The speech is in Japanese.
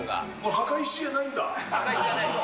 墓石じゃないです。